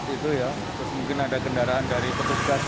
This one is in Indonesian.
terus mungkin ada kendaraan dari petugas